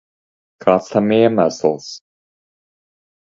Kāds tam iemesls?